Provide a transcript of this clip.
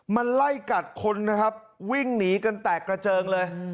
มันไล่กัดคนนะครับวิ่งหนีกันแตกกระเจิงเลย